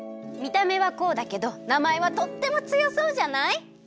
みためはこうだけどなまえはとってもつよそうじゃない？